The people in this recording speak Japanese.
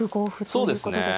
そうですね。